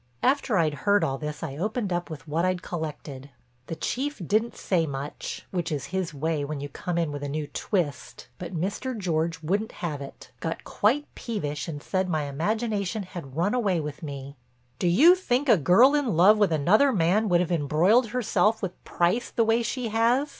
After I'd heard all this I opened up with what I'd collected. The Chief didn't say much, which is his way when you come in with a new "twist," but Mr. George wouldn't have it, got quite peevish and said my imagination had run away with me. "Do you think a girl in love with another man would have embroiled herself with Price the way she has?"